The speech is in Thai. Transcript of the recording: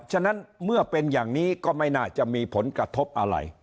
ฉะนั้นเมื่อเป็นอย่างนี้ก็ไม่น่าจะมีผลกระทบอะไร